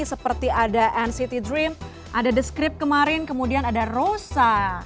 seperti ada nct dream ada the script kemarin kemudian ada rosa